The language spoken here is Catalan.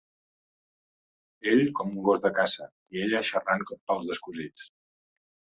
Ell com un gos de caça i ella xerrant pels descosits.